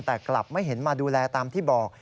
แต่กลับไม่เห็นมาดูแลตามที่บอก